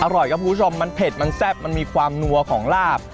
อร่อยครับคุณผู้ชมมันเผ็ดมันแซ่บมันมีความนัวของลาบ